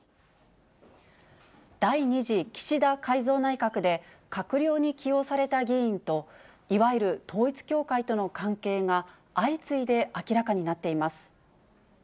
第２次岸田改造内閣で、閣僚に起用された議員と、いわゆる統一教会との関係が、相次いで明らかになっています。